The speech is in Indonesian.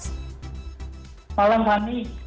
selamat malam kami